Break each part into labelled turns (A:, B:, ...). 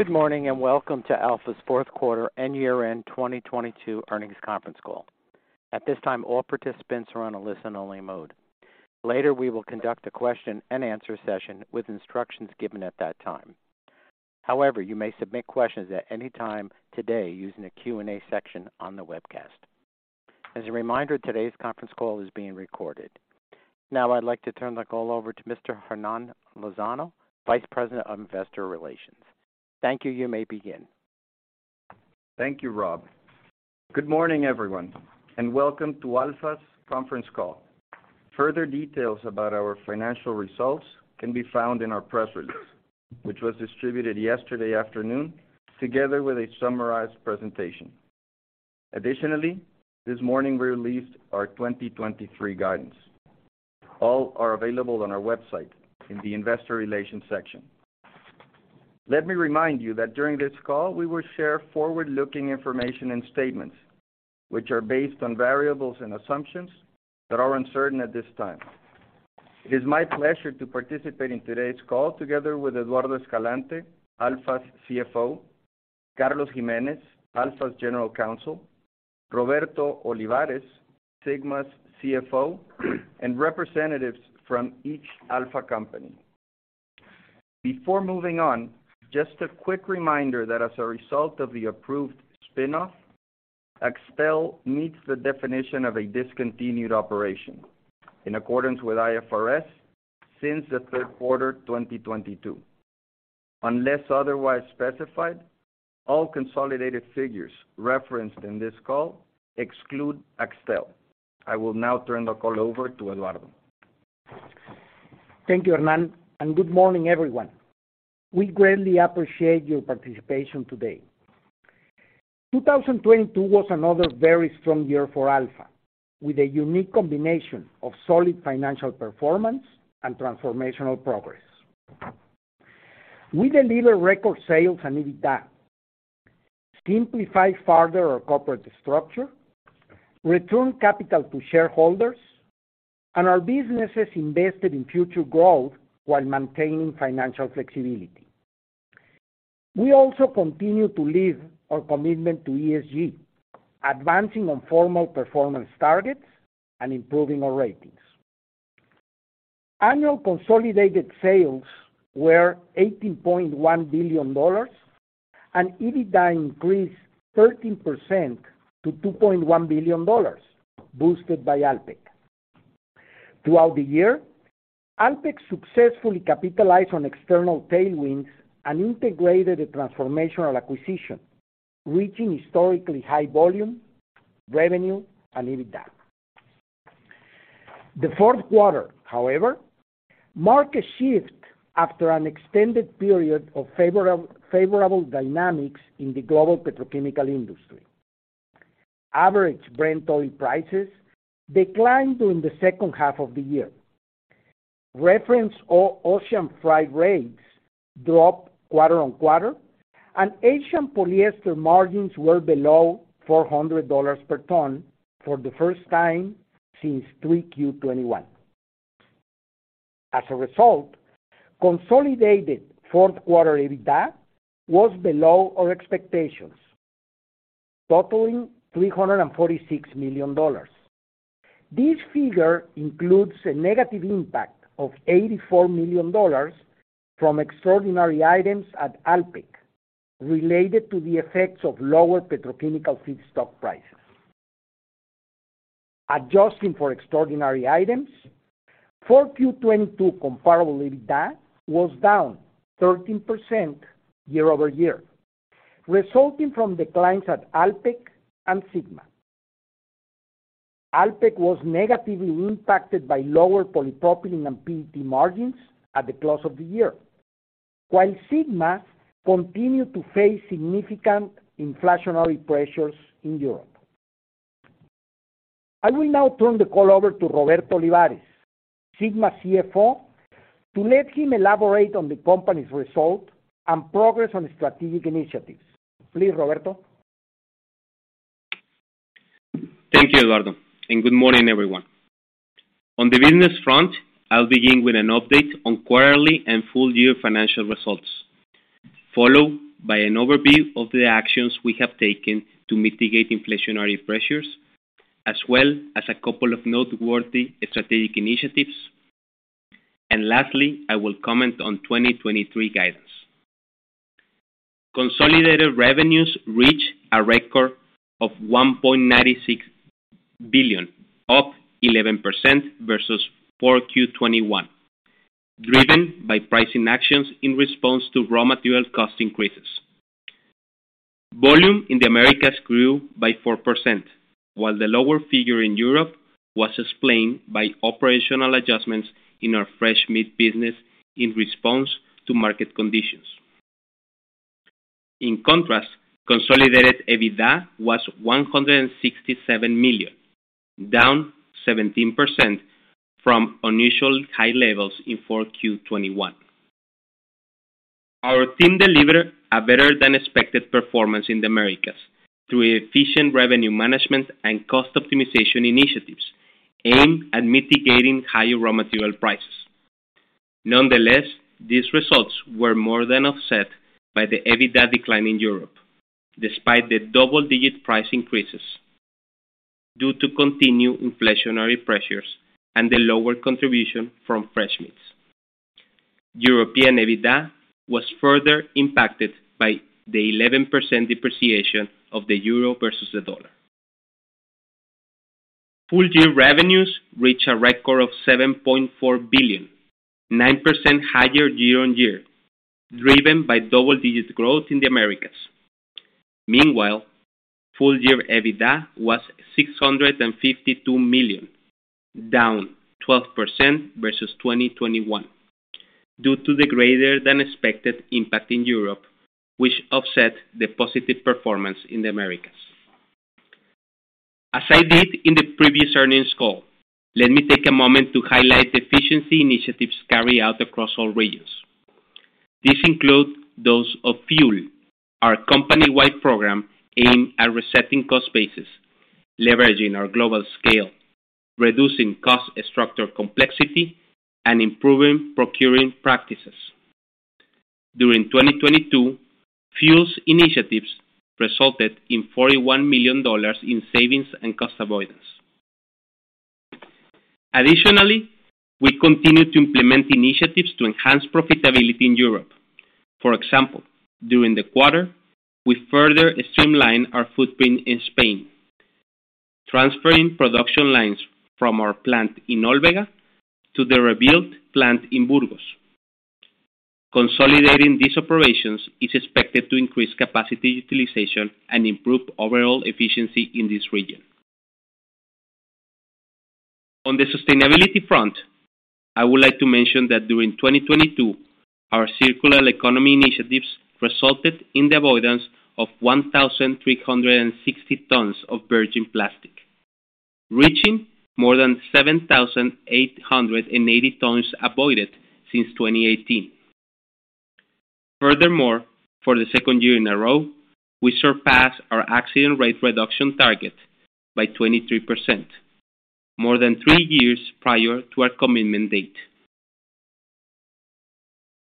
A: Good morning, welcome to Alfa's fourth quarter and year-end 2022 earnings conference call. At this time, all participants are on a listen-only mode. Later, we will conduct a question and answer session with instructions given at that time. However, you may submit questions at any time today using the Q&A section on the webcast. As a reminder, today's conference call is being recorded. I'd like to turn the call over to Mr. Hernán Lozano, Vice President of Investor Relations. Thank you. You may begin.
B: Thank you, Rob. Good morning, everyone, welcome to Alfa's conference call. Further details about our financial results can be found in our press release, which was distributed yesterday afternoon together with a summarized presentation. This morning we released our 2023 guidance. All are available on our website in the investor relations section. Let me remind you that during this call, we will share forward-looking information and statements which are based on variables and assumptions that are uncertain at this time. It is my pleasure to participate in today's call together with Eduardo Escalante, Alfa's CFO, Carlos Jimenez, Alfa's General Counsel, Roberto Olivares, Sigma's CFO, and representatives from each Alfa company. Before moving on, just a quick reminder that as a result of the approved spin-off, Axtel meets the definition of a discontinued operation in accordance with IFRS since the third quarter 2022. Unless otherwise specified, all consolidated figures referenced in this call exclude Axtel. I will now turn the call over to Eduardo.
C: Thank you, Hernán. Good morning, everyone. We greatly appreciate your participation today. 2022 was another very strong year for Alfa, with a unique combination of solid financial performance and transformational progress. We delivered record sales and EBITDA, simplified further our corporate structure, returned capital to shareholders, and our businesses invested in future growth while maintaining financial flexibility. We also continued to live our commitment to ESG, advancing on formal performance targets and improving our ratings. Annual consolidated sales were $18.1 billion, and EBITDA increased 13% to $2.1 billion, boosted by Alpek. Throughout the year, Alpek successfully capitalized on external tailwinds and integrated a transformational acquisition, reaching historically high volume, revenue, and EBITDA. The fourth quarter, however, marked a shift after an extended period of favorable dynamics in the global petrochemical industry. Average Brent oil prices declined during the second half of the year. Reference ocean freight rates dropped quarter on quarter, Asian polyester margins were below $400 per ton for the first time since 3Q 2021. As a result, consolidated fourth quarter EBITDA was below our expectations, totaling $346 million. This figure includes a negative impact of $84 million from extraordinary items at Alpek related to the effects of lower petrochemical feedstock prices. Adjusting for extraordinary items, 4Q 2022 comparable EBITDA was down 13% year-over-year, resulting from declines at Alpek and Sigma. Alpek was negatively impacted by lower polypropylene and PET margins at the close of the year, while Sigma continued to face significant inflationary pressures in Europe. I will now turn the call over to Roberto Olivares, Sigma's CFO, to let him elaborate on the company's result and progress on strategic initiatives. Please, Roberto.
D: Thank you, Eduardo, and good morning, everyone. On the business front, I'll begin with an update on quarterly and full year financial results, followed by an overview of the actions we have taken to mitigate inflationary pressures, as well as a couple of noteworthy strategic initiatives. Lastly, I will comment on 2023 guidance. Consolidated revenues reached a record of $1.96 billion, up 11% versus 4Q 2021, driven by pricing actions in response to raw material cost increases. Volume in the Americas grew by 4%, while the lower figure in Europe was explained by operational adjustments in our fresh meat business in response to market conditions. Consolidated EBITDA was $167 million, down 17% from unusually high levels in 4Q 2021. Our team delivered a better than expected performance in the Americas through efficient revenue management and cost optimization initiatives. Aim at mitigating higher raw material prices. These results were more than offset by the EBITDA decline in Europe, despite the double-digit price increases due to continued inflationary pressures and the lower contribution from fresh meats. European EBITDA was further impacted by the 11% depreciation of the Euro versus the Dollar. Full-year revenues reached a record of $7.4 billion, 9% higher year-on-year, driven by double-digit growth in the Americas. Full year EBITDA was $652 million, down 12% versus 2021 due to the greater than expected impact in Europe, which offset the positive performance in the Americas. As I did in the previous earnings call, let me take a moment to highlight the efficiency initiatives carried out across all regions. These include those of FUEL, our company-wide program aimed at resetting cost bases, leveraging our global scale, reducing cost structure complexity, and improving procuring practices. During 2022, FUEL's initiatives resulted in $41 million in savings and cost avoidance. Additionally, we continue to implement initiatives to enhance profitability in Europe. For example, during the quarter, we further streamlined our footprint in Spain, transferring production lines from our plant in Ólvega to the rebuilt plant in Burgos. Consolidating these operations is expected to increase capacity utilization and improve overall efficiency in this region. On the sustainability front, I would like to mention that during 2022, our circular economy initiatives resulted in the avoidance of 1,360 tons of virgin plastic, reaching more than 7,880 tons avoided since 2018. Furthermore, for the second year in a row, we surpassed our accident rate reduction target by 23%, more than 3 years prior to our commitment date.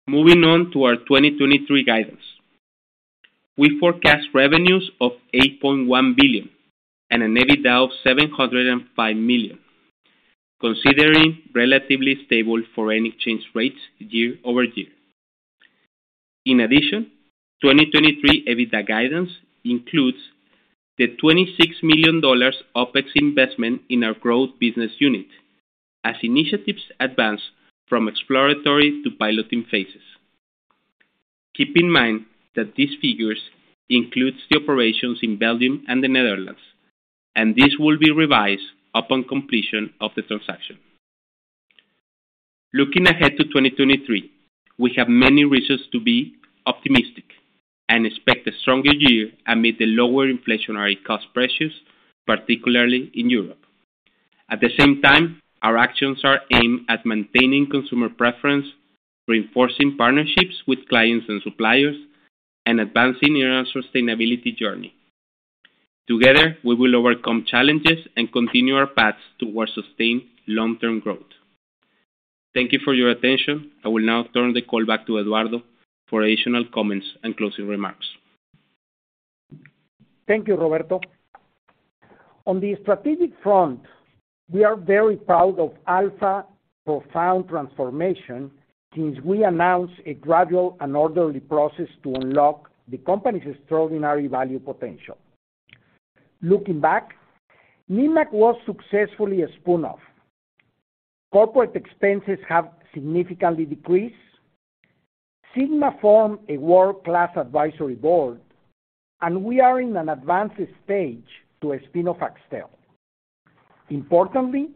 D: Moving on to our 2023 guidance. We forecast revenues of $8.1 billion and an EBITDA of $705 million, considering relatively stable foreign exchange rates year-over-year. In addition, 2023 EBITDA guidance includes the $26 million OpEx investment in our growth business unit as initiatives advance from exploratory to piloting phases. Keep in mind that these figures includes the operations in Belgium and the Netherlands, and this will be revised upon completion of the transaction. Looking ahead to 2023, we have many reasons to be optimistic and expect a stronger year amid the lower inflationary cost pressures, particularly in Europe. At the same time, our actions are aimed at maintaining consumer preference, reinforcing partnerships with clients and suppliers, and advancing in our sustainability journey. Together, we will overcome challenges and continue our path towards sustained long-term growth. Thank you for your attention. I will now turn the call back to Eduardo for additional comments and closing remarks.
C: Thank you, Roberto. On the strategic front, we are very proud of Alfa profound transformation since we announced a gradual and orderly process to unlock the company's extraordinary value potential. Looking back, Newpek was successfully a spin-off. Corporate expenses have significantly decreased. Sigma formed a world-class advisory board, and we are in an advanced stage to a spin-off Axtel. Importantly,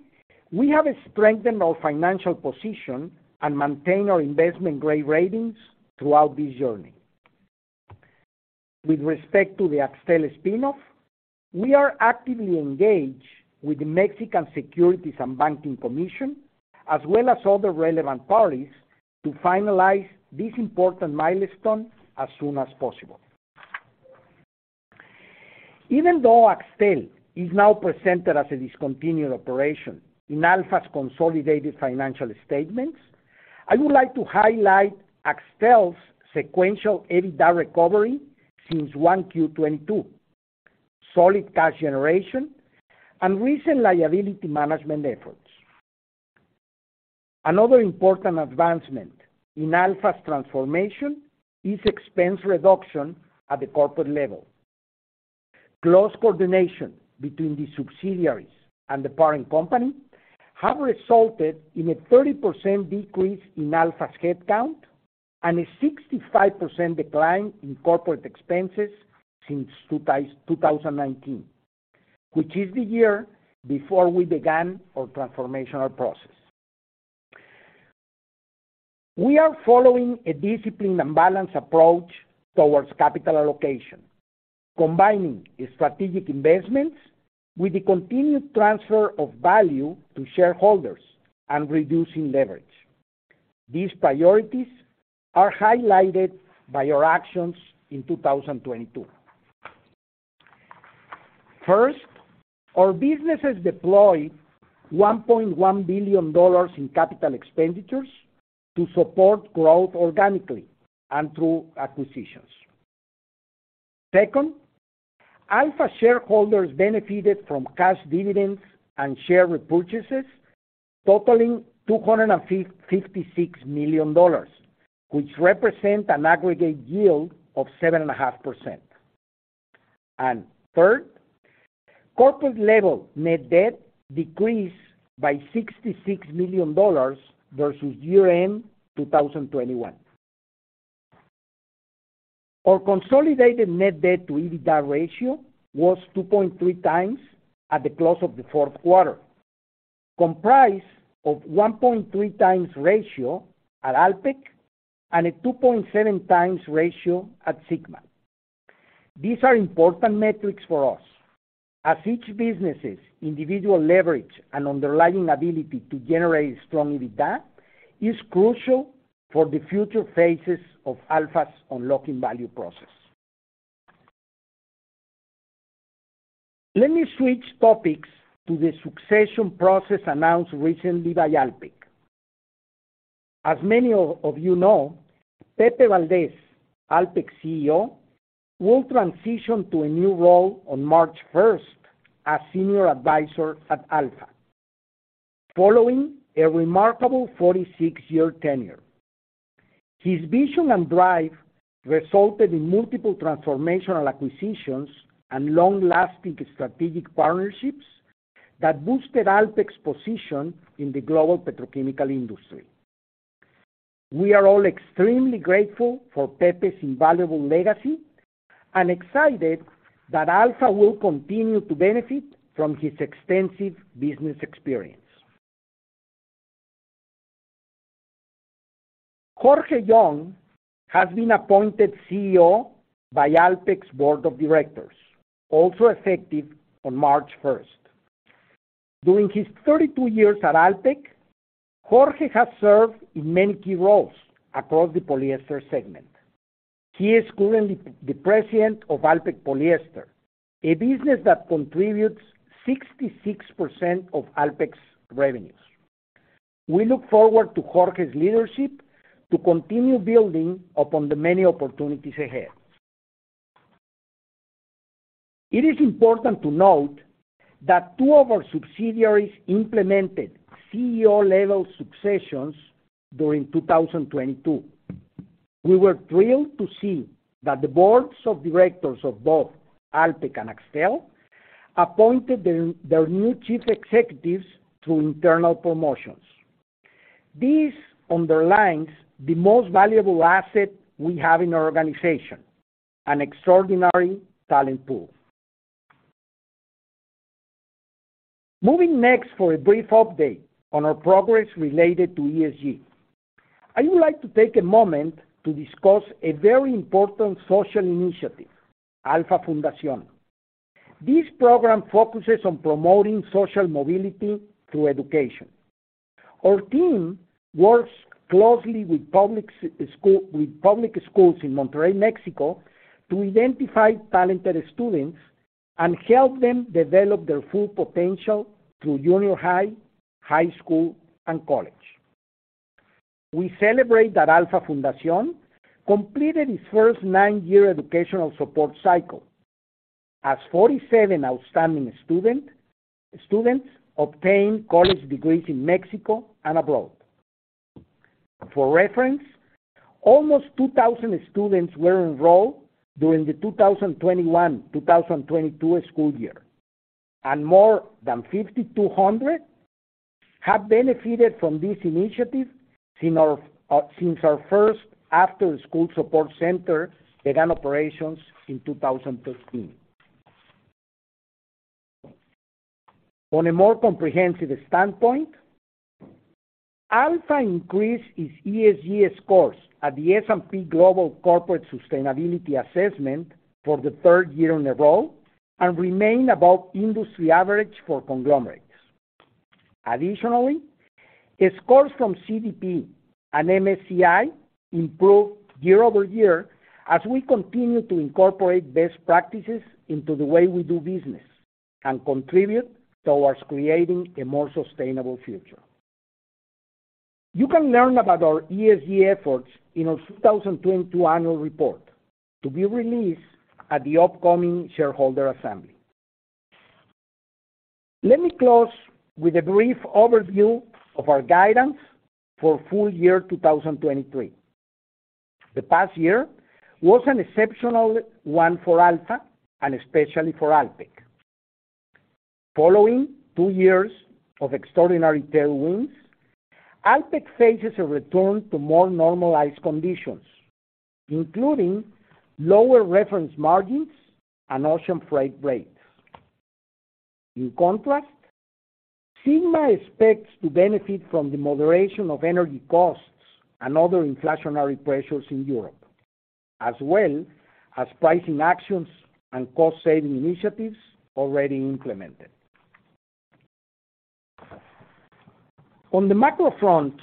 C: we have strengthened our financial position and maintained our investment-grade ratings throughout this journey. With respect to the Axtel spin-off, we are actively engaged with the National Banking and Securities Commission, as well as other relevant parties, to finalize this important milestone as soon as possible. Even though Axtel is now presented as a discontinued operation in Alfa's consolidated financial statements, I would like to highlight Axtel's sequential EBITDA recovery since 1Q22, solid cash generation, and recent liability management efforts. Another important advancement in Alfa's transformation is expense reduction at the corporate level. Close coordination between the subsidiaries and the parent company have resulted in a 30% decrease in Alfa's headcount and a 65% decline in corporate expenses since 2019, which is the year before we began our transformational process. We are following a disciplined and balanced approach towards capital allocation, combining strategic investments with the continued transfer of value to shareholders and reducing leverage. These priorities are highlighted by our actions in 2022. First, our businesses deployed $1.1 billion in capital expenditures to support growth organically and through acquisitions. Second, Alfa shareholders benefited from cash dividends and share repurchases totaling $256 million, which represent an aggregate yield of 7.5%. Third, corporate level net debt decreased by $66 million versus year-end 2021. Our consolidated net debt to EBITDA ratio was 2.3 times at the close of the fourth quarter, comprised of 1.3 times ratio at Alpek and a 2.7 times ratio at Sigma. These are important metrics for us, as each business' individual leverage and underlying ability to generate strong EBITDA is crucial for the future phases of Alfa's unlocking value process. Let me switch topics to the succession process announced recently by Alpek. As many of you know, Pepe Valdez, Alpek's CEO, will transition to a new role on March first as senior advisor at Alfa following a remarkable 46-year tenure. His vision and drive resulted in multiple transformational acquisitions and long-lasting strategic partnerships that boosted Alpek's position in the global petrochemical industry. We are all extremely grateful for Pepe's invaluable legacy and excited that Alfa will continue to benefit from his extensive business experience. Jorge Young has been appointed CEO by Alpek's board of directors, also effective on March first. During his 32 years at Alpek, Jorge has served in many key roles across the polyester segment. He is currently the president of Alpek Polyester, a business that contributes 66% of Alpek's revenues. We look forward to Jorge's leadership to continue building upon the many opportunities ahead. It is important to note that 2 of our subsidiaries implemented CEO-level successions during 2022. We were thrilled to see that the boards of directors of both Alpek and Axtel appointed their new chief executives through internal promotions. This underlines the most valuable asset we have in our organization, an extraordinary talent pool. Moving next for a brief update on our progress related to ESG. I would like to take a moment to discuss a very important social initiative, Alfa Fundación. This program focuses on promoting social mobility through education. Our team works closely with public schools in Monterrey, Mexico, to identify talented students and help them develop their full potential through junior high, high school, and college. We celebrate that Alfa Fundación completed its first nine-year educational support cycle as 47 outstanding students obtained college degrees in Mexico and abroad. For reference, almost 2,000 students were enrolled during the 2021/2022 school year, and more than 5,200 have benefited from this initiative since our first after-school support center began operations in 2013. On a more comprehensive standpoint, Alfa increased its ESG scores at the S&P Global Corporate Sustainability Assessment for the third year in a row and remain above industry average for conglomerates. Additionally, its scores from CDP and MSCI improved year-over-year as we continue to incorporate best practices into the way we do business and contribute towards creating a more sustainable future. You can learn about our ESG efforts in our 2022 annual report to be released at the upcoming shareholder assembly. Let me close with a brief overview of our guidance for full year 2023. The past year was an exceptional one for Alfa and especially for Alpek. Following two years of extraordinary tailwinds, Alpek faces a return to more normalized conditions, including lower reference margins and ocean freight rates. In contrast, Sigma expects to benefit from the moderation of energy costs and other inflationary pressures in Europe, as well as pricing actions and cost-saving initiatives already implemented. On the macro front,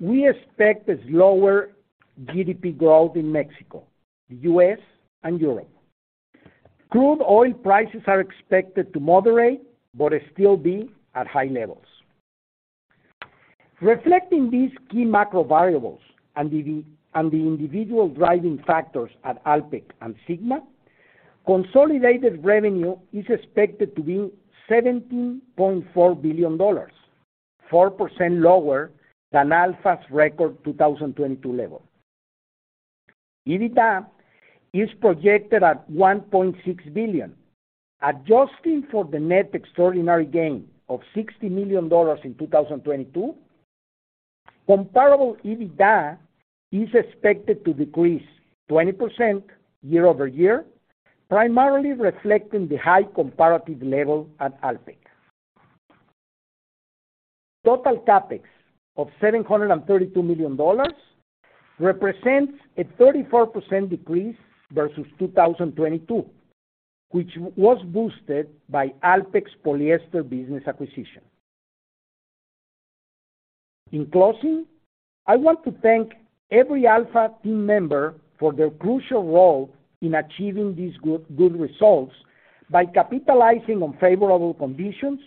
C: we expect a slower GDP growth in Mexico, the U.S. and Europe. Crude oil prices are expected to moderate, but still be at high levels. Reflecting these key macro variables and the individual driving factors at Alpek and Sigma, consolidated revenue is expected to be $17.4 billion, 4% lower than Alfa's record 2022 level. EBITDA is projected at $1.6 billion. Adjusting for the net extraordinary gain of $60 million in 2022, comparable EBITDA is expected to decrease 20% year-over-year, primarily reflecting the high comparative level at Alpek. Total CapEx of $732 million represents a 34% decrease versus 2022, which was boosted by Alpek's polyester business acquisition. In closing, I want to thank every Alfa team member for their crucial role in achieving these good results by capitalizing on favorable conditions,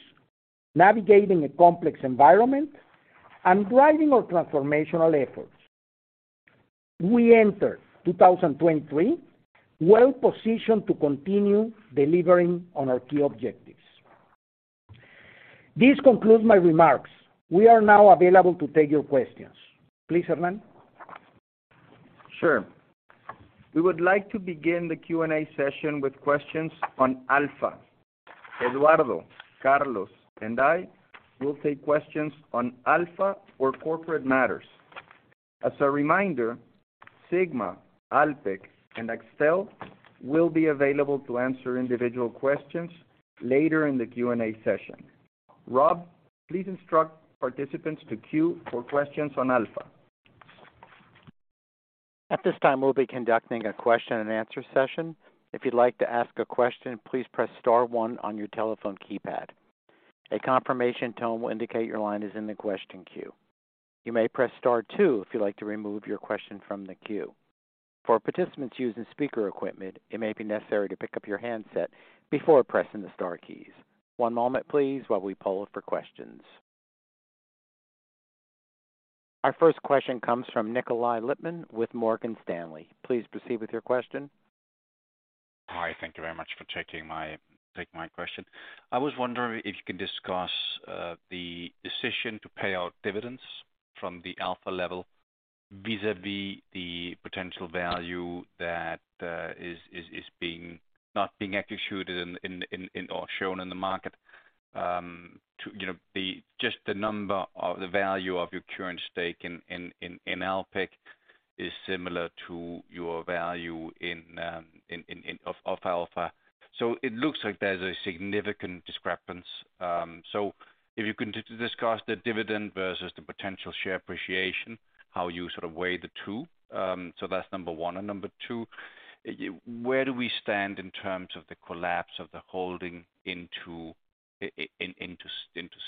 C: navigating a complex environment, and driving our transformational efforts. We enter 2023 well positioned to continue delivering on our key objectives. This concludes my remarks. We are now available to take your questions. Please, Hernán.
B: Sure. We would like to begin the Q&A session with questions on Alfa. Eduardo, Carlos, and I will take questions on Alfa or corporate matters. As a reminder, Sigma, Alpek, and Axtel will be available to answer individual questions later in the Q&A session. Rob, please instruct participants to queue for questions on Alfa.
A: At this time, we'll be conducting a question and answer session. If you'd like to ask a question, please press star one on your telephone keypad. A confirmation tone will indicate your line is in the question queue. You may press star two if you'd like to remove your question from the queue. For participants using speaker equipment, it may be necessary to pick up your handset before pressing the star keys. One moment, please, while we poll for questions. Our first question comes from Nikolaj Lippmann with Morgan Stanley. Please proceed with your question.
E: Hi. Thank you very much for taking my question. I was wondering if you could discuss the decision to pay out dividends from the Alfa level vis-à-vis the potential value that is being, not being executed in or shown in the market, to, you know, the just the number of the value of your current stake in Alpek is similar to your value in Alfa. It looks like there's a significant discrepancy. If you can just discuss the dividend versus the potential share appreciation, how you sort of weigh the two? That's number 1. Number 2, where do we stand in terms of the collapse of the holding into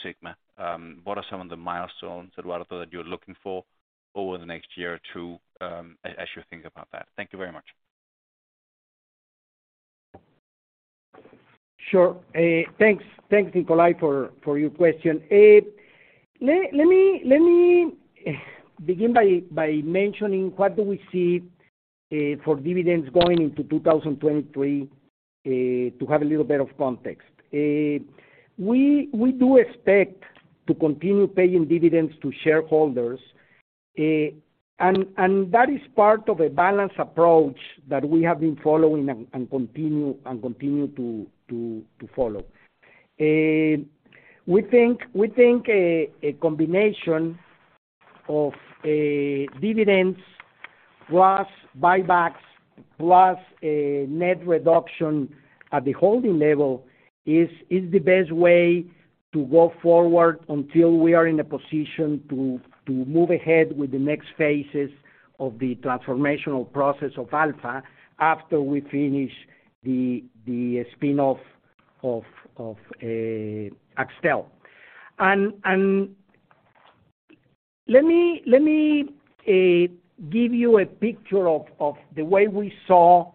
E: Sigma? What are some of the milestones, Eduardo, that you're looking for over the next year or 2, as you think about that? Thank you very much.
C: Sure. Thanks, Nikolaj, for your question. Let me begin by mentioning what do we see for dividends going into 2023 to have a little bit of context. We do expect to continue paying dividends to shareholders. That is part of a balanced approach that we have been following and continue to follow. We think a combination of dividends plus buybacks plus a net reduction at the holding level is the best way to go forward until we are in a position to move ahead with the next phases of the transformational process of Alfa after we finish the spin-off of Axtel. Let me give you a picture of the way we saw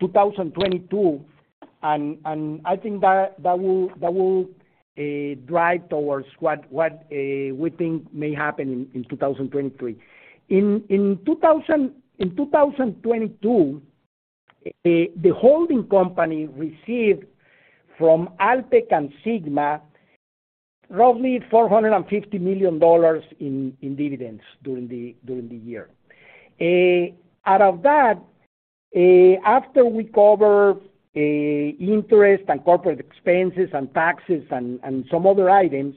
C: 2022, and I think that will drive towards what we think may happen in 2023. In 2022, the holding company received from Alpek and Sigma roughly $450 million in dividends during the year. Out of that, after we cover interest and corporate expenses and taxes and some other items,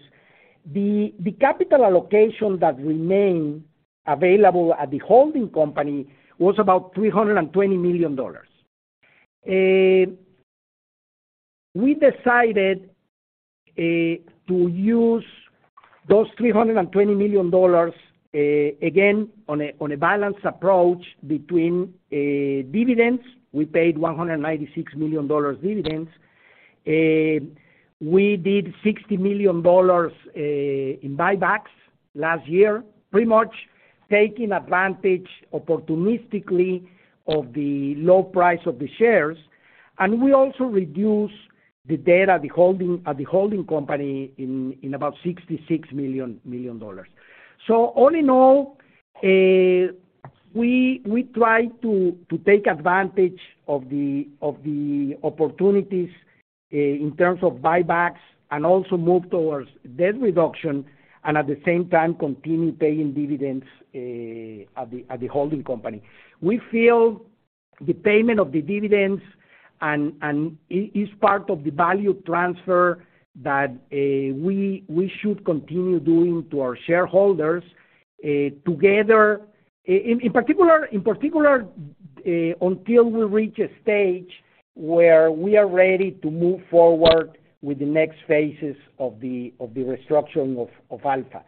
C: the capital allocation that remained available at the holding company was about $320 million. We decided to use those $320 million again, on a balanced approach between dividends. We paid $196 million dividends. We did $60 million in buybacks last year, pretty much taking advantage opportunistically of the low price of the shares. We also reduced the debt at the holding company in about $66 million. All in all, we try to take advantage of the opportunities in terms of buybacks and also move towards debt reduction and at the same time continue paying dividends at the holding company. We feel the payment of the dividends and is part of the value transfer that we should continue doing to our shareholders together in particular, until we reach a stage where we are ready to move forward with the next phases of the restructuring of Alfa.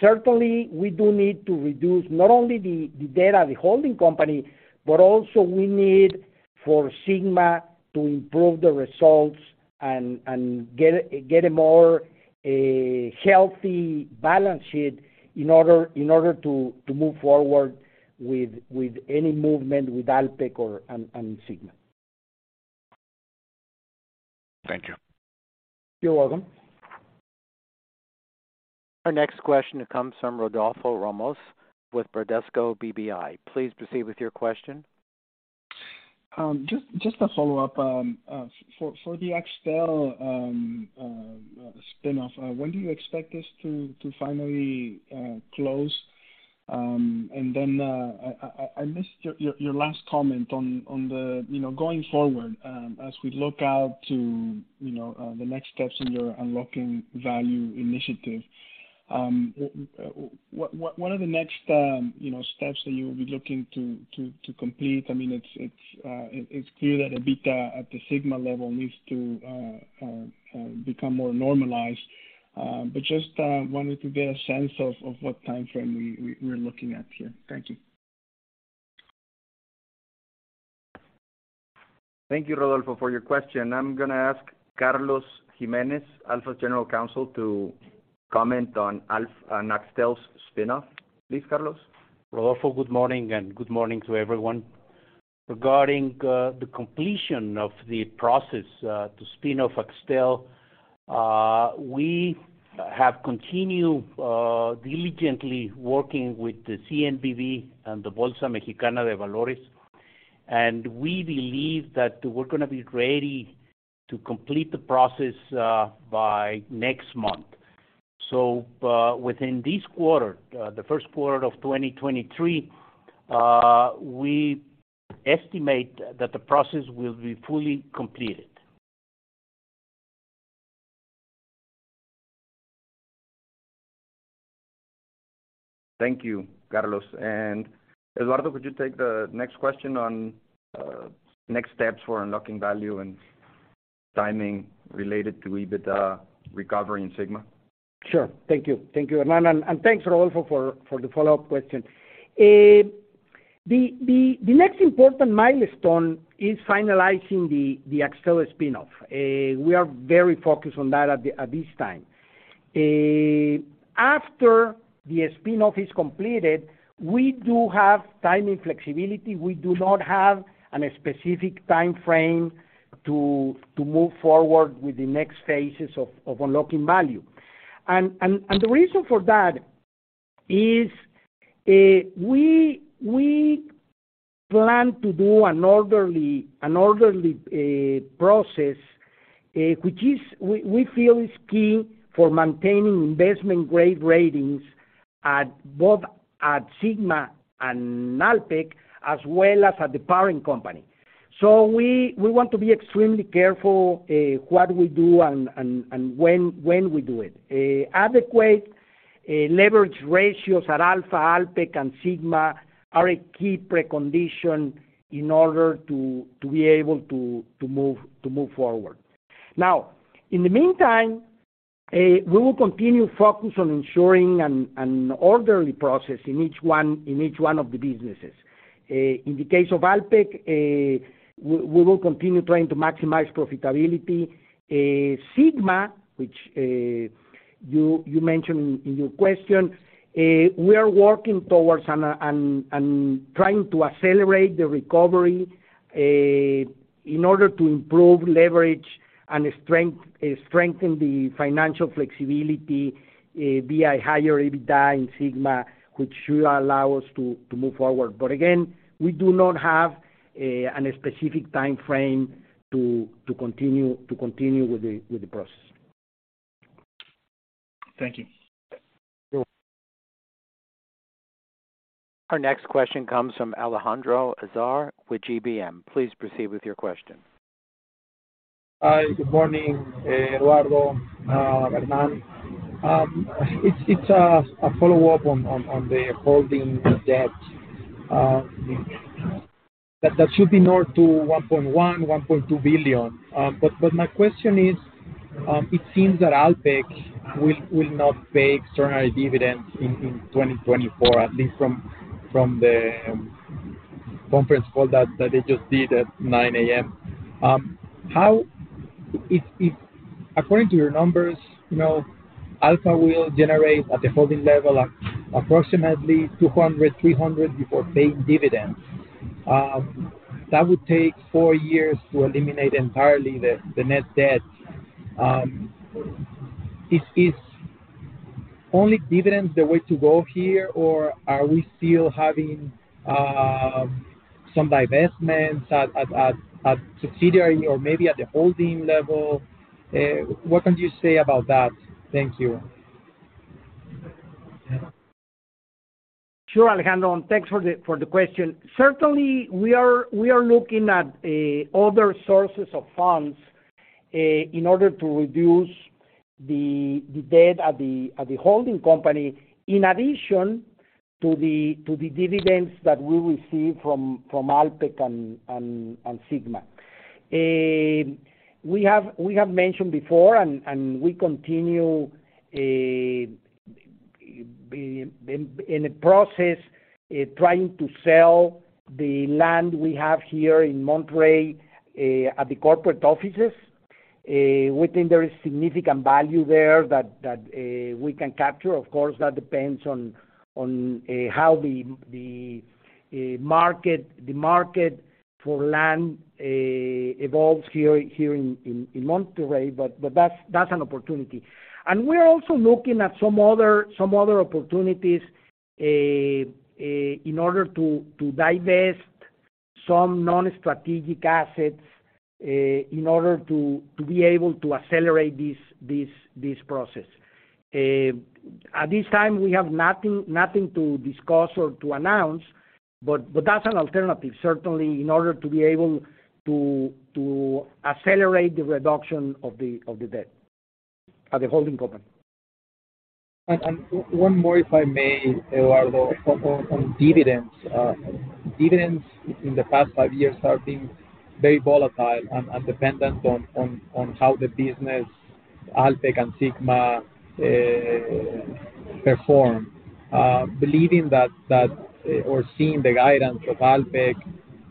C: Certainly we do need to reduce not only the debt at the holding company, but also we need for Sigma to improve the results and get a more healthy balance sheet in order to move forward with any movement with Alpek or and Sigma. Thank you. You're welcome.
A: Our next question comes from Rodolfo Ramos with Bradesco BBI. Please proceed with your question.
F: Just a follow-up. For the Axtel spin-off, when do you expect this to finally close? I missed your last comment on the, you know, going forward, as we look out to, you know, the next steps in your unlocking value initiative. What are the next, you know, steps that you'll be looking to complete? I mean, it's clear that EBITDA at the Sigma level needs to become more normalized. Just wanted to get a sense of what timeframe we're looking at here. Thank you.
C: Thank you, Rodolfo, for your question. I'm gonna ask Carlos Jiménez, Alfa's General Counsel, to comment on Axtel's spin-off. Please, Carlos.
G: Rodolfo, good morning, and good morning to everyone. Regarding, the completion of the process, to spin off Axtel, we have continued, diligently working with the CNBV and the Bolsa Mexicana de Valores. We believe that we're gonna be ready to complete the process, by next month. Within this quarter, the 1st quarter of 2023, we estimate that the process will be fully completed.
C: Thank you, Carlos. Eduardo, could you take the next question on next steps for unlocking value and timing related to EBITDA recovery in Sigma? Sure. Thank you. Thank you, Hernán. Thanks, Rodolfo, for the follow-up question. The next important milestone is finalizing the Axtel spin-off. We are very focused on that at this time. After the spin-off is completed, we do have timing flexibility. We do not have an specific timeframe to move forward with the next phases of unlocking value. The reason for that is we plan to do an orderly process, which is we feel is key for maintaining investment-grade ratings at both Sigma and Alpek, as well as at the parent company. We want to be extremely careful, what we do and when we do it. Adequate leverage ratios at Alfa, Alpek, and Sigma are a key precondition in order to be able to move forward. In the meantime, we will continue focus on ensuring an orderly process in each one of the businesses. In the case of Alpek, we will continue trying to maximize profitability. Sigma, which you mentioned in your question, we are working towards and trying to accelerate the recovery in order to improve leverage and strengthen the financial flexibility via higher EBITDA in Sigma, which should allow us to move forward. Again, we do not have, an specific timeframe to continue with the process.
F: Thank you.
C: You're welcome.
A: Our next question comes from Alejandro Azar with GBM. Please proceed with your question.
H: Hi, good morning, Eduardo, Hernán. It's a follow-up on the holding debt that should be north to $1.1 billion-$1.2 billion. My question is, it seems that Alpek will not pay extraordinary dividends in 2024, at least from the conference call that they just did at 9:00 A.M. If according to your numbers, you know, Alfa will generate at the holding level approximately $200-$300 before paying dividends. That would take 4 years to eliminate entirely the net debt. Is only dividends the way to go here or are we still having some divestments at subsidiary or maybe at the holding level? What can you say about that? Thank you.
C: Sure, Alejandro, thanks for the question. Certainly, we are looking at other sources of funds in order to reduce the debt at the holding company, in addition to the dividends that we receive from Alpek and Sigma. We have mentioned before and we continue in a process trying to sell the land we have here in Monterrey at the corporate offices. We think there is significant value there that we can capture. Of course, that depends on how the market for land evolves here in Monterrey, but that's an opportunity. We're also looking at some other opportunities in order to divest some non-strategic assets in order to be able to accelerate this process. At this time, we have nothing to discuss or to announce, but that's an alternative, certainly in order to be able to accelerate the reduction of the debt at the holding company.
H: one more if I may, Eduardo, on dividends. Dividends in the past five years have been very volatile and dependent on how the business, Alpek and Sigma, perform. Believing that, or seeing the guidance of Alpek,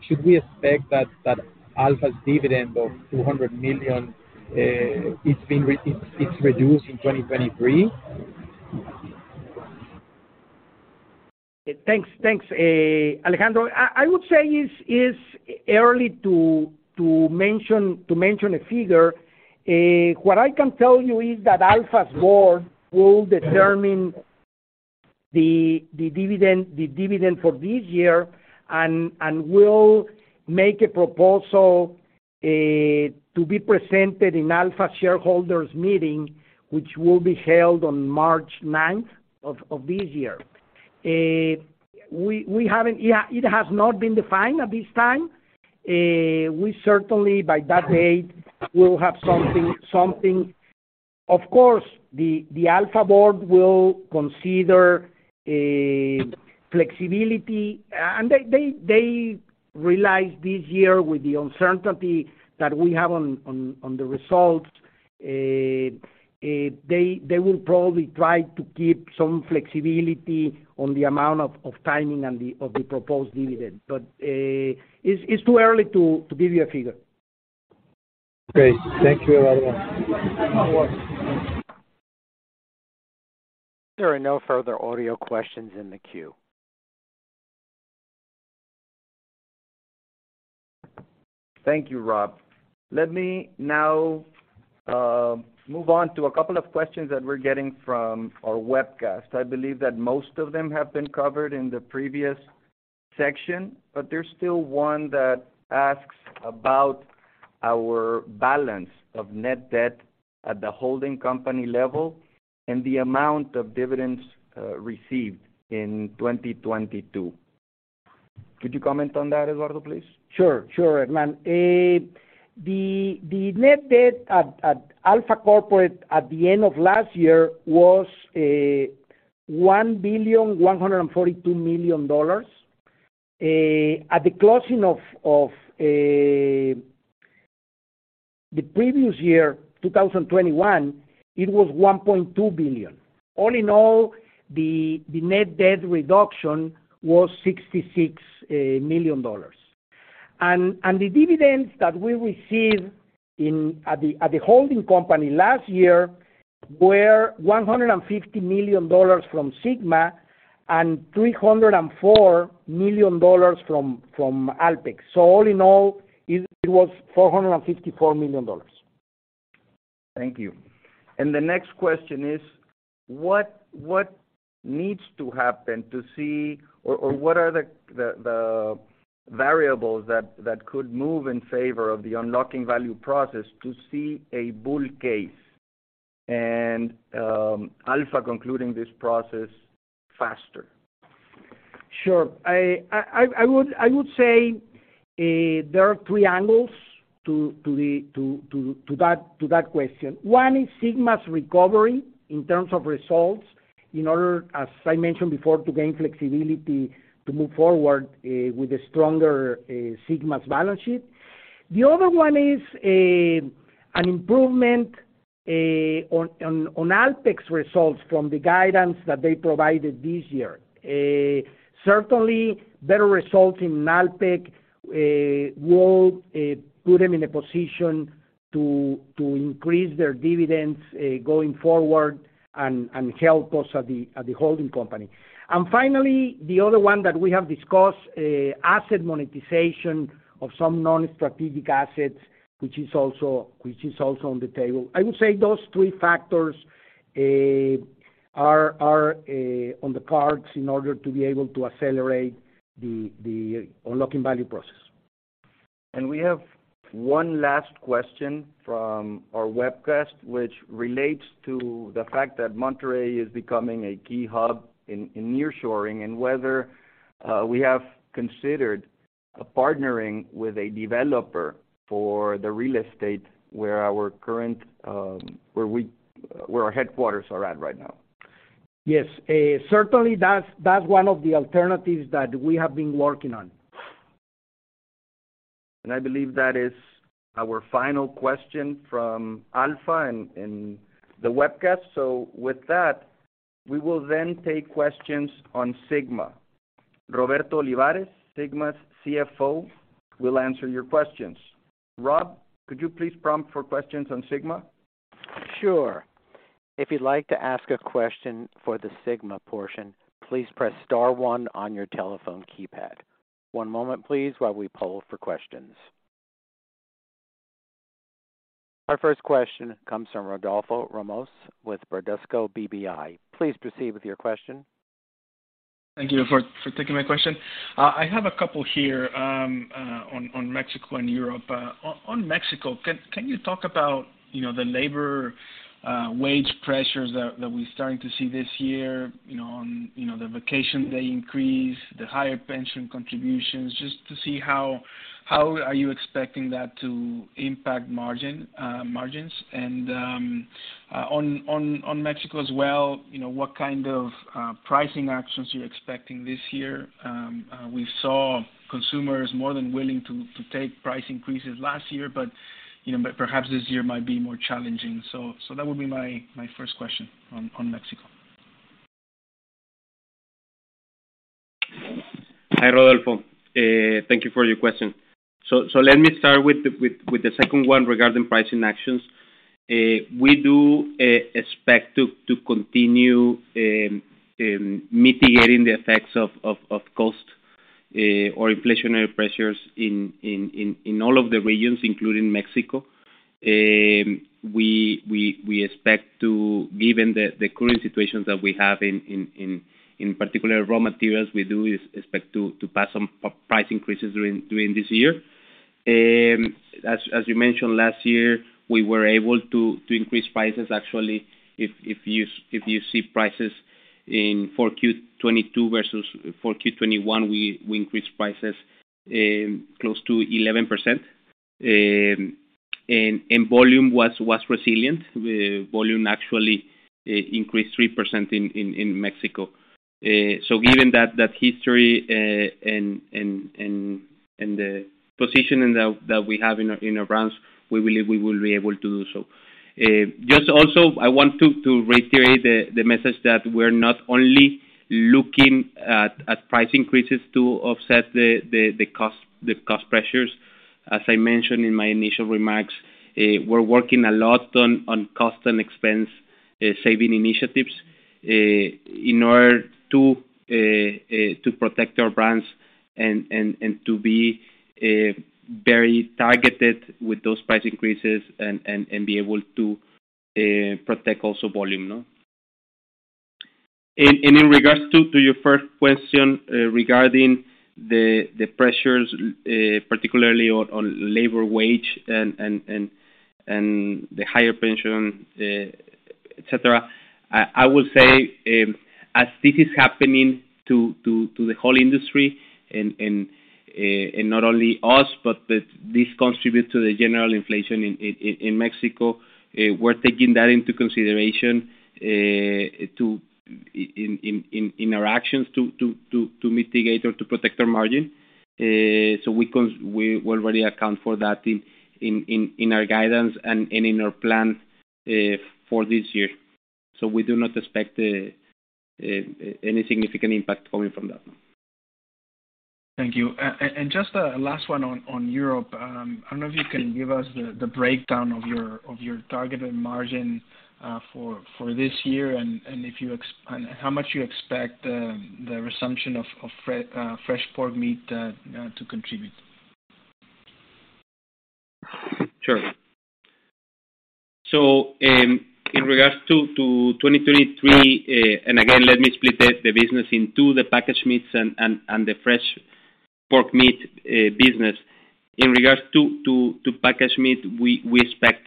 H: should we expect that Alfa's dividend of 200 million, it's reduced in 2023?
C: Thanks. Thanks, Alejandro. I would say it's early to mention a figure. What I can tell you is that Alfa's board will determine the dividend for this year and will make a proposal to be presented in Alfa shareholders meeting, which will be held on March ninth of this year. We haven't. It has not been defined at this time. We certainly, by that date, will have something. Of course, the Alfa board will consider flexibility. They realize this year with the uncertainty that we have on the results, they will probably try to keep some flexibility on the amount of timing and the proposed dividend. It's too early to give you a figure.
H: Great. Thank you, Eduardo.
C: You're welcome.
A: There are no further audio questions in the queue.
B: Thank you, Rob. Let me now move on to a couple of questions that we're getting from our webcast. I believe that most of them have been covered in the previous section. There's still one that asks about our balance of net debt at the holding company level and the amount of dividends received in 2022. Could you comment on that, Eduardo, please?
C: Sure, Hernán. The net debt at Alfa Corporate at the end of last year was $1,142 million. At the closing of the previous year, 2021, it was $1.2 billion. All in all, the net debt reduction was $66 million. The dividends that we received at the holding company last year were $150 million from Sigma and $304 million from Alpek. All in all, it was $454 million.
B: Thank you. The next question is what needs to happen to see, or what are the variables that could move in favor of the unlocking value process to see a bull case and Alfa concluding this process faster?
C: Sure. I would say, there are 3 angles to that question. 1 is Sigma's recovery in terms of results in order, as I mentioned before, to gain flexibility to move forward, with a stronger, Sigma's balance sheet. The other one is an improvement.
D: On Alpek's results from the guidance that they provided this year. Certainly better results in Alpek will put them in a position to increase their dividends going forward and help us at the holding company. Finally, the other one that we have discussed, asset monetization of some non-strategic assets, which is also on the table. I would say those three factors are on the cards in order to be able to accelerate the unlocking value process.
B: We have one last question from our webcast, which relates to the fact that Monterrey is becoming a key hub in nearshoring, and whether we have considered partnering with a developer for the real estate where our current headquarters are at right now.
D: Yes. Certainly, that's one of the alternatives that we have been working on.
B: I believe that is our final question from Alfa and the webcast. With that, we will then take questions on Sigma. Roberto Olivares, Sigma's CFO, will answer your questions. Rob, could you please prompt for questions on Sigma?
A: Sure. If you'd like to ask a question for the Sigma portion, please press star one on your telephone keypad. One moment, please, while we poll for questions. Our first question comes from Rodolfo Ramos with Bradesco BBI. Please proceed with your question.
F: Thank you for taking my question. I have a couple here on Mexico and Europe. On Mexico, can you talk about, you know, the labor wage pressures that we're starting to see this year, you know, on, you know, the vacation day increase, the higher pension contributions, just to see how are you expecting that to impact margins. On Mexico as well, you know, what kind of pricing actions you're expecting this year? We saw consumers more than willing to take price increases last year, but, you know, perhaps this year might be more challenging. That would be my first question on Mexico.
D: Hi, Rodolfo. Thank you for your question. Let me start with the second one regarding pricing actions. We do expect to continue mitigating the effects of cost or inflationary pressures in all of the regions, including Mexico. Given the current situation that we have in particular raw materials, we do expect to pass some price increases during this year. As you mentioned, last year, we were able to increase prices. Actually, if you see prices in 4Q 2022 versus 4Q 2021, we increased prices close to 11%. Volume was resilient. Volume actually increased 3% in Mexico. Given that history, and the positioning that we have in our brands, we believe we will be able to do so. Just also, I want to reiterate the message that we're not only looking at price increases to offset the cost pressures. As I mentioned in my initial remarks, we're working a lot on cost and expense saving initiatives in order to protect our brands and to be very targeted with those price increases and be able to protect also volume, no? In regards to your first question, regarding the pressures, particularly on labor wage and the higher pension, et cetera, I will say, as this is happening to the whole industry and not only us, this contributes to the general inflation in Mexico. We're taking that into consideration in our actions to mitigate or to protect our margin. We already account for that in our guidance and in our plan for this year. We do not expect any significant impact coming from that.
F: Thank you. Just a last one on Europe. I don't know if you can give us the breakdown of your targeted margin for this year and how much you expect the resumption of fresh pork meat to contribute.
D: Sure. In regards to 2023, and again, let me split the business in two, the packaged meats and the fresh pork meat business. In regards to packaged meat, we expect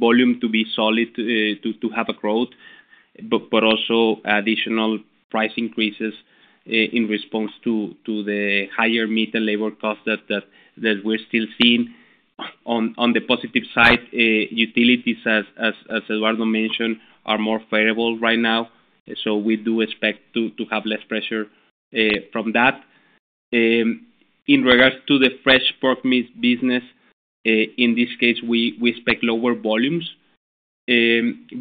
D: volume to be solid, to have a growth, but also additional price increases in response to the higher meat and labor cost that we're still seeing. On the positive side, utilities as Eduardo mentioned, are more favorable right now. We do expect to have less pressure from that. In regards to the fresh pork meat business, in this case, we expect lower volumes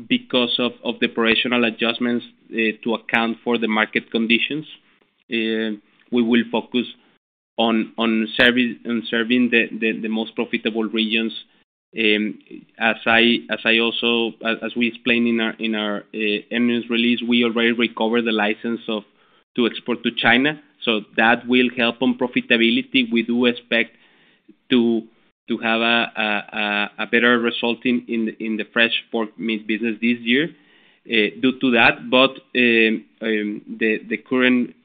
D: because of the operational adjustments to account for the market conditions. We will focus on serving the most profitable regions. As I also explained in our earnings release, we already recovered the license to export to China. That will help on profitability. We do expect to have a better result in the fresh pork meat business this year, due to that. The current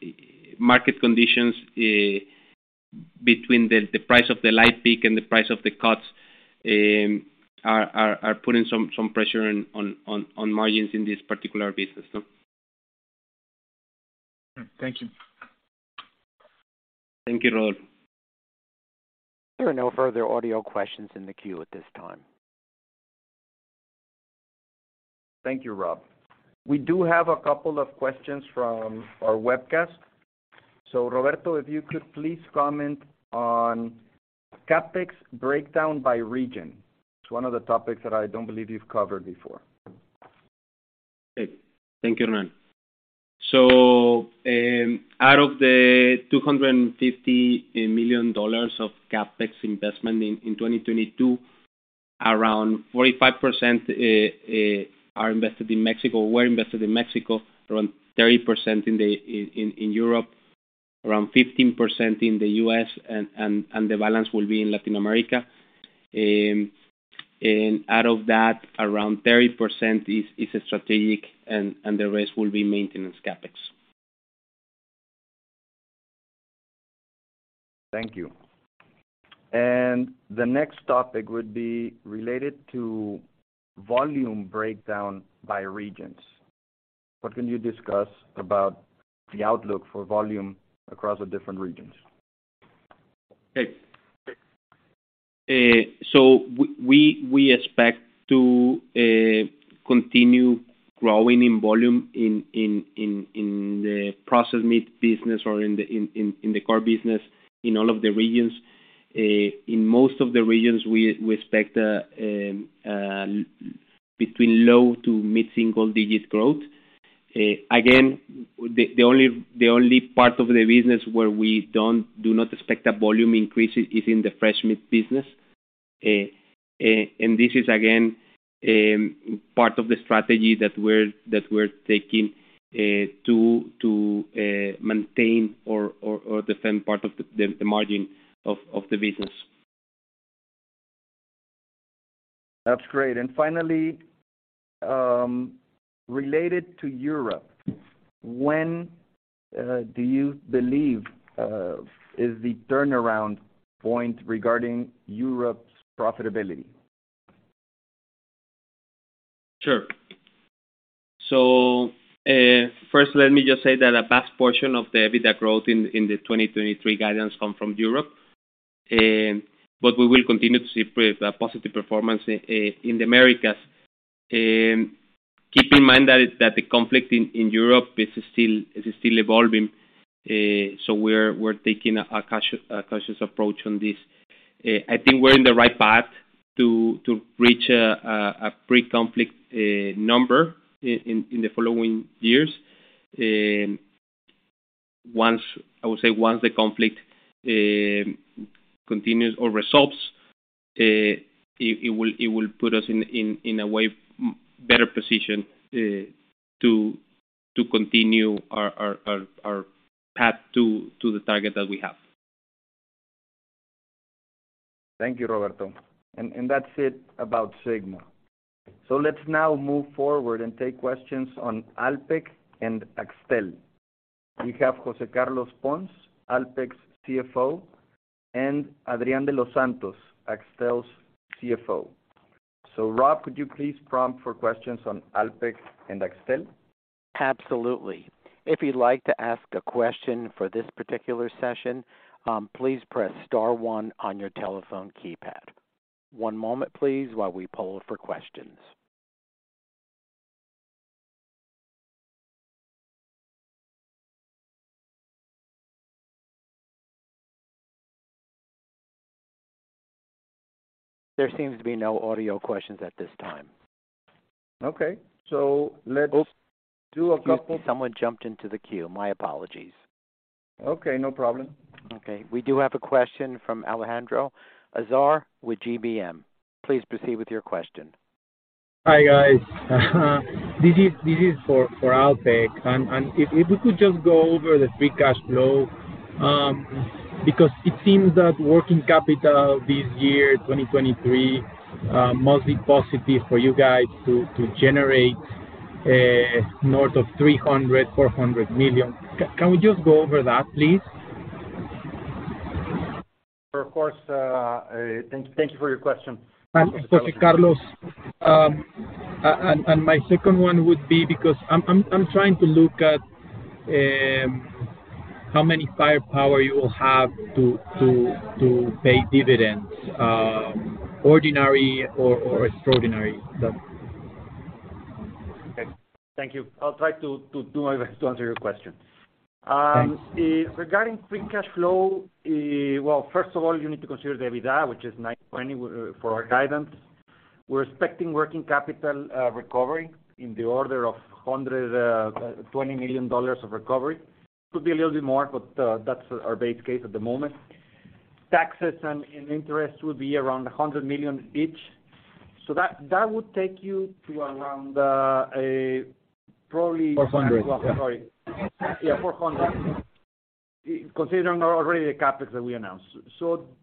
D: market conditions, between the price of the live pig and the price of the cuts, are putting some pressure on margins in this particular business.
B: Thank you.
D: Thank you, Raul.
A: There are no further audio questions in the queue at this time.
B: Thank you, Rob. We do have a couple of questions from our webcast. Roberto, if you could please comment on CapEx breakdown by region. It's one of the topics that I don't believe you've covered before.
D: Thank you, Hernán. Out of the $250 million of CapEx investment in 2022, around 45% are invested in Mexico, were invested in Mexico, around 30% in Europe, around 15% in the U.S. and the balance will be in Latin America. Out of that, around 30% is strategic and the rest will be maintenance CapEx.
B: Thank you. The next topic would be related to volume breakdown by regions. What can you discuss about the outlook for volume across the different regions?
D: Okay. We expect to continue growing in volume in the processed meat business or in the core business in all of the regions. In most of the regions, we expect between low to mid-single digit growth. Again, the only part of the business where we do not expect a volume increase is in the fresh meat business. This is again part of the strategy that we're taking to maintain or defend part of the margin of the business.
B: That's great. Finally, related to Europe, when do you believe is the turnaround point regarding Europe's profitability?
D: Sure. First, let me just say that a vast portion of the EBITDA growth in the 2023 guidance come from Europe, but we will continue to see positive performance in the Americas. Keep in mind that the conflict in Europe is still evolving. We're taking a cautious approach on this. I think we're in the right path to reach a pre-conflict number in the following years. Once I would say once the conflict continues or resolves, it will put us in a way, better position to continue our path to the target that we have.
B: Thank you, Roberto. That's it about Sigma. Let's now move forward and take questions on Alpek and Axtel. We have José Carlos Pons, Alpek's CFO, and Adrián De Los Santos, Axtel's CFO. Rob, could you please prompt for questions on Alpek and Axtel?
A: Absolutely. If you'd like to ask a question for this particular session, please press star one on your telephone keypad. One moment, please, while we poll for questions. There seems to be no audio questions at this time.
B: Okay.
A: Oops.
B: Do a couple.
A: Someone jumped into the queue. My apologies.
B: Okay, no problem.
A: Okay. We do have a question from Alejandro Azar with GBM. Please proceed with your question.
H: Hi, guys. This is for Alpek. If you could just go over the free cash flow, because it seems that working capital this year, 2023, mostly positive for you guys to generate north of $300 million, $400 million. Can we just go over that, please?
D: Of course. Thank you for your question.
H: José Carlos, my second one would be because I'm trying to look at, how many firepower you will have to pay dividends, ordinary or extraordinary.
I: Okay. Thank you. I'll try to my best to answer your question.
B: Thanks.
I: Regarding free cash flow, well, first of all, you need to consider the EBITDA, which is $920 for our guidance. We're expecting working capital recovery in the order of $120 million of recovery. Could be a little bit more, but that's our base case at the moment. Taxes and interest will be around $100 million each. That would take you to around.
B: 400.
I: Sorry. Yeah, 400. Considering already the CapEx that we announced.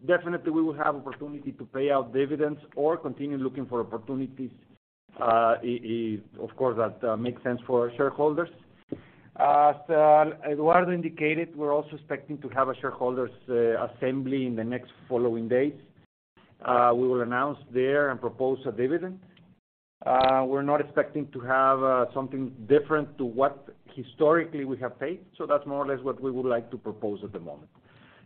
I: Definitely we will have opportunity to pay out dividends or continue looking for opportunities, if of course that makes sense for our shareholders. As Eduardo indicated, we're also expecting to have a shareholders assembly in the next following days. We will announce there and propose a dividend. We're not expecting to have something different to what historically we have paid, that's more or less what we would like to propose at the moment.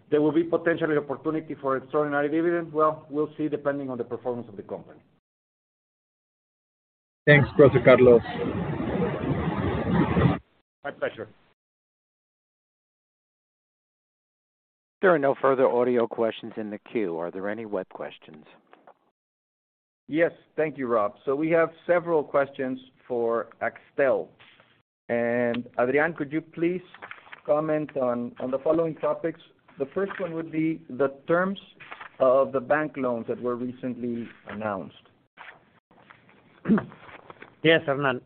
I: There will be potentially opportunity for extraordinary dividend. Well, we'll see, depending on the performance of the company.
B: Thanks, Brother Carlos.
I: My pleasure.
A: There are no further audio questions in the queue. Are there any web questions?
B: Yes. Thank you, Rob. We have several questions for Axtel. Adrián, could you please comment on the following topics? The first one would be the terms of the bank loans that were recently announced.
J: Yes, Hernan.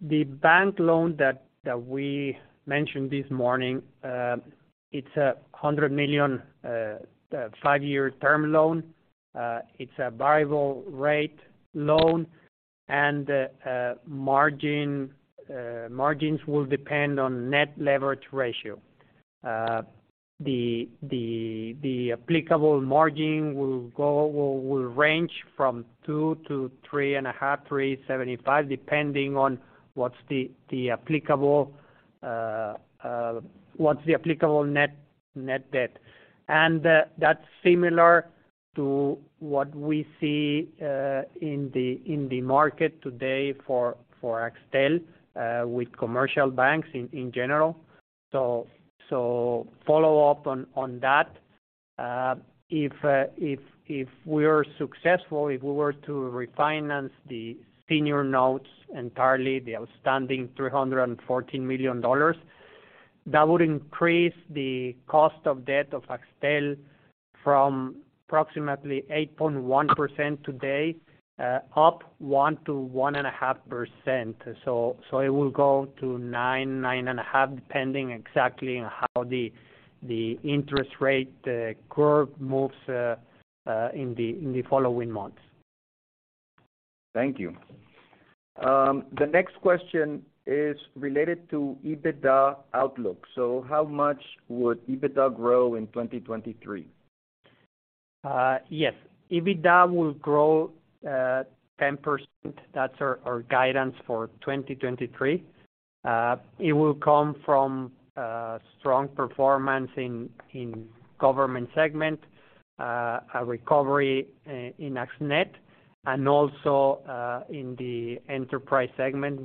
J: The bank loan that we mentioned this morning, it's a $100 million five-year term loan. It's a variable rate loan. Margins will depend on net leverage ratio. The applicable margin will range from 2%-3.5%, 3.75%, depending on what's the applicable net debt. That's similar to what we see in the market today for Axtel with commercial banks in general. Follow up on that. If we're successful, if we were to refinance the senior notes entirely, the outstanding $314 million, that would increase the cost of debt of Axtel from approximately 8.1% today, up 1%-1.5%. It will go to 9%-9.5%, depending exactly on how the interest rate curve moves in the following months.
B: Thank you. The next question is related to EBITDA outlook. How much would EBITDA grow in 2023?
J: Yes. EBITDA will grow 10%. That's our guidance for 2023. It will come from strong performance in government segment, a recovery in Axtel, and also in the enterprise segment,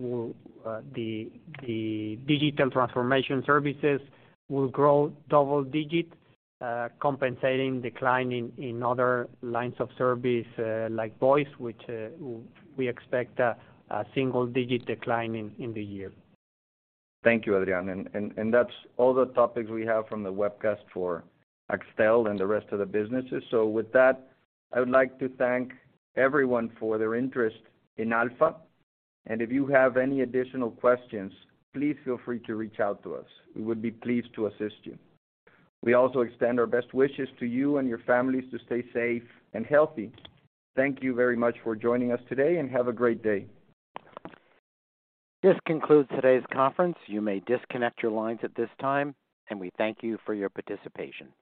J: the digital transformation services will grow double digit, compensating decline in other lines of service, like voice, which we expect a single digit decline in the year.
B: Thank you, Adrian. And that's all the topics we have from the webcast for Axtel and the rest of the businesses. With that, I would like to thank everyone for their interest in Alfa. If you have any additional questions, please feel free to reach out to us. We would be pleased to assist you. We also extend our best wishes to you and your families to stay safe and healthy. Thank you very much for joining us today, and have a great day.
A: This concludes today's conference. You may disconnect your lines at this time. We thank you for your participation.